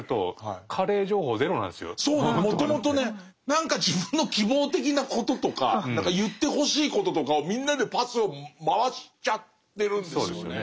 何か自分の希望的なこととか言ってほしいこととかをみんなでパスを回しちゃってるんですよね。